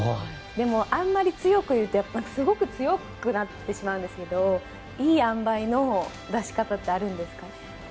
でも、あんまり強く言うとすごく強くなってしまうんですがいい塩梅の出し方ってあるんですか？